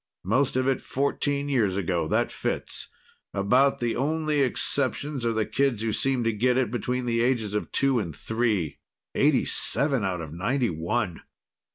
"Most of it fourteen years ago. That fits. About the only exceptions are the kids who seem to get it between the ages of two and three. Eighty seven out of ninety one!"